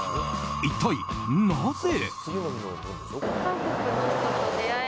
一体なぜ。